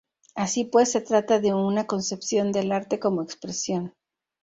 Así pues se trata de una concepción del arte como expresión.